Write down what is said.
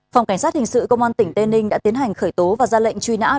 phòng cảnh sát hình sự công an tỉnh tây ninh đã tiến hành khởi tố và ra lệnh truy nã